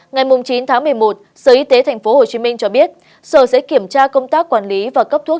ngày chín tháng một mươi một sở y tế tp hcm cho biết sở sẽ kiểm tra công tác quản lý và cấp thuốc